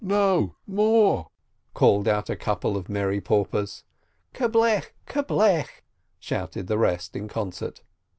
"No, more !" called out a couple of merry paupers. "Kerblech, kerblech !" shouted the rest in concert.